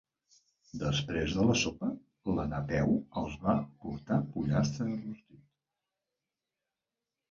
Després de la sopa, la Napeu els va portar pollastre rostit.